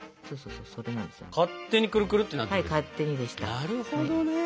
なるほどね。